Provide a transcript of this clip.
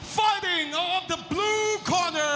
ภารกิจของเบลูคอร์เนอร์